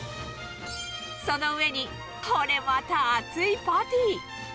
その上にこれまた厚いパティ。